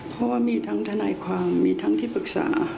เพราะว่ามีทั้งทนายความมีทั้งที่ปรึกษา